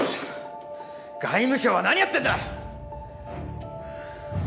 外務省は何やってんだ！